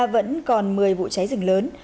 vẫn còn một mươi vụ cháy rừng lớn